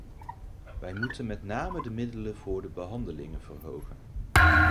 Wij moeten met name de middelen voor de behandelingen verhogen.